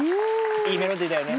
いいメロディーだよね。